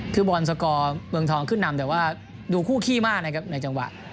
คือบอลสกอร์เมืองทองขึ้นนำแต่ว่าดูคู่ขี้มากนะครับในจังหวะ